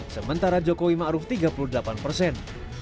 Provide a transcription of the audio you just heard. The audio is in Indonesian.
sementara jokowi ma'ruf tiga puluh delapan persen